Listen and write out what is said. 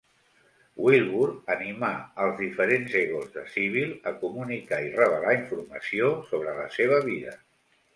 Wilbur animà als diferents egos de Sybil a comunicar i revelar informació sobre la seva vida.